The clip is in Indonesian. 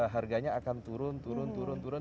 harganya akan turun